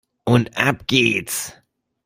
Und ab geht's!